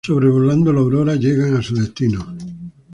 Sobrevolando la Aurora, llegan a su destino.